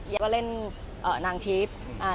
อยากเล่นนางทิศ